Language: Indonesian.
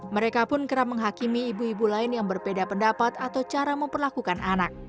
mereka pun kerap menghakimi ibu ibu lain yang berbeda pendapat atau cara memperlakukan anak